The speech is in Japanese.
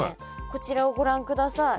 こちらをご覧ください。